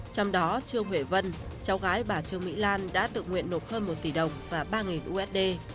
trong đó trương huệ vân cháu gái bà trương mỹ lan đã tự nguyện nộp hơn một tỷ đồng và ba usd